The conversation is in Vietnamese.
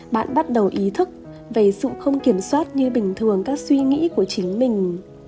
bạn bắt đầu ý thức về sự không kiểm soát như bình thường các suy nghĩ của chính mình